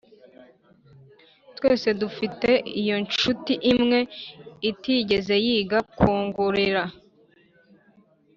twese dufite iyo nshuti imwe itigeze yiga kwongorera.